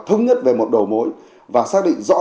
thống nhất về một đầu mối và xác định rõ